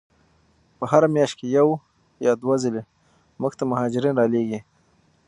په هره میاشت کې یو یا دوه ځلې موږ ته مهاجرین را لیږي.